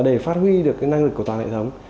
để phát huy được cái năng lực của toàn hệ thống